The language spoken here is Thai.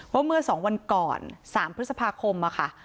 ว่าเมื่อสองวันก่อนสามพฤษภาคมอะค่ะ